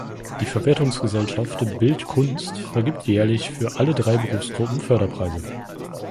Die Verwertungsgesellschaft Bild-Kunst vergibt jährlich für alle drei Berufsgruppen Förderpreise.